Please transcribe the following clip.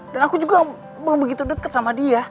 dan aku juga belum begitu deket sama dia